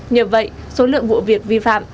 nhờ vậy số lượng vụ việc vi phạm